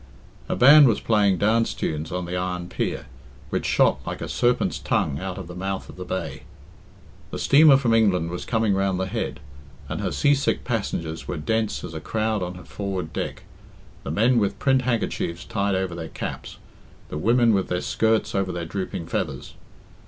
A band was playing dance tunes on the iron pier, which shot like a serpent's tongue out of the mouth of the bay. The steamer from England was coming round the head, and her sea sick passengers were dense as a crowd on her forward deck, the men with print handkerchiefs tied over their caps, the women with their skirts over their drooping feathers.